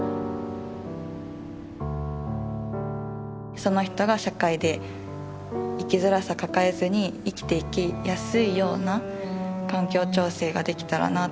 その人が社会で生きづらさ抱えずに生きていきやすいような環境調整ができたらな。